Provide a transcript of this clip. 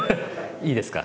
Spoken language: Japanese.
いいですか？